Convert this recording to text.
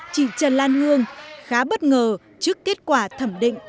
chị trần lan hương khá bất ngờ trước kết quả thẩm định